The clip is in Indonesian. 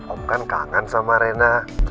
om kangen sama rena